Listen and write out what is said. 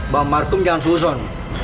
bang markom jangan susun